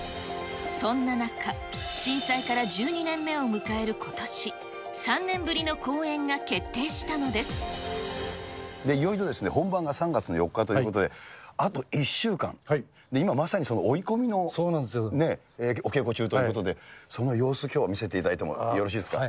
そんな中、震災から１２年目を迎えることし、いよいよですね、本番が３月の４日ということで、あと１週間、今、まさにその追い込みのお稽古中ということで、その様子、きょうは見せていただいてもよろしいですか。